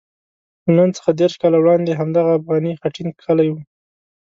له نن څخه دېرش کاله وړاندې همدغه افغاني خټین کلی وو.